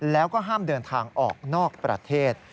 แล้วก็ห้ามเดินทางออกนอกประเทศ